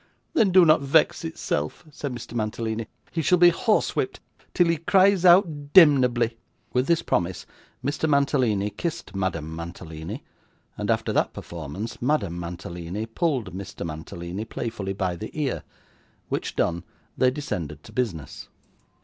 'Then do not vex itself,' said Mr. Mantalini; 'he shall be horse whipped till he cries out demnebly.' With this promise Mr. Mantalini kissed Madame Mantalini, and, after that performance, Madame Mantalini pulled Mr. Mantalini playfully by the ear: which done, they descended to business.